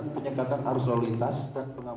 penyekatan arus lalu lintas dan pengamanan